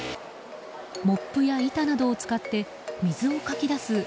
モップや板などを使って水をかき出す